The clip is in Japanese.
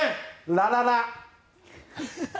ラララ！